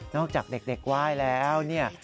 นอกจากเด็กว่ายแล้วเนี่ย